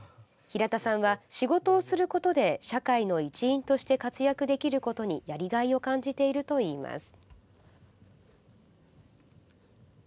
平田さんは仕事をすることで社会の一員として活躍できることにやりがいを感じているといいます。